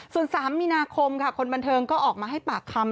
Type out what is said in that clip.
ส่วน๓มีนาคมค่ะคนบันเทิงก็ออกมาให้ปากคำ